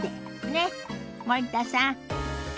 ねっ森田さん。